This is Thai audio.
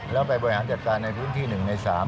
แล้วไปบริหารจัดการในพื้นที่หนึ่งในสาม